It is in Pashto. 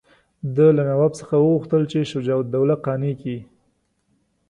ده له نواب څخه وغوښتل چې شجاع الدوله قانع کړي.